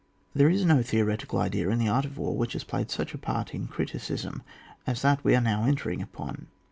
TiTEBE is no theoretical idea in the art of war which has played such a part in criticism as that we are now entering upon.